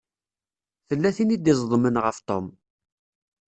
Tella tin i d-iẓeḍmen ɣef Tom.